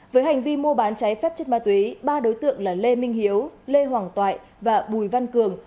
với hành vi mua bán cháy phép chất ma túy ba đối tượng là lê minh hiếu lê hoàng toại và bùi văn cường